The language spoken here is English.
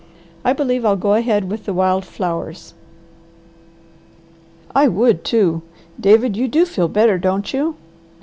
I believe I'll go ahead with the wild flowers." "I would too! David, you do feel better, don't you?"